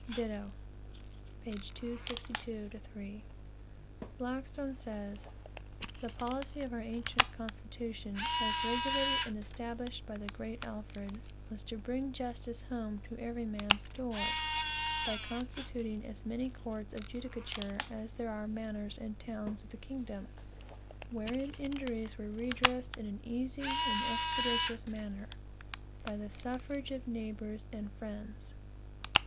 Ditto, p. 262 3. Blackstone says: "The policy of our ancient constitution, as regulated and established by the great Alfred, was to bring justice home to every man's door, by constituting as many courts of judicature as there are manors and towns in the kingdom; wherein injuries were redressed in an easy and expeditious manner, by the suffrage of neighbors and friends.